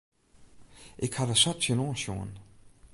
Ik ha der sa tsjinoan sjoen.